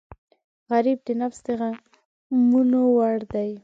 غریب د نفس د غمونو وړ دی